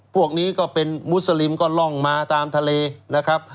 พวกนี้ก็เป็นมุสลิมก็ล่องมาตามทะเลนะครับ